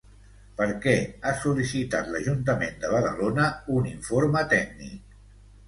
Per què ha sol·licitat l'Ajuntament de Badalona un informe tècnic?